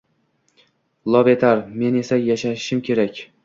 Lov etar… Men esa yashashim kerak…”